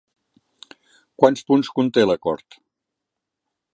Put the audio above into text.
Quants punts conté l'acord?